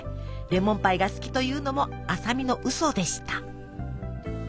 レモンパイが好きというのも麻美のウソでした。